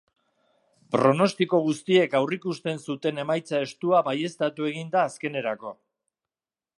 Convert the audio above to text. Pronostiko guztiek aurreikusten zuten emaitza estua baieztatu egin da azkenerako.